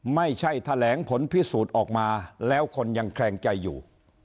ไม่ใช่แถลงผลพิสูจน์ออกมาแล้วคนยังแคลงใจอยู่